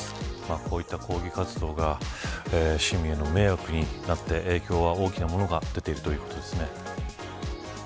こういった抗議活動が市民への迷惑になって影響は大きなものが出ているということですね。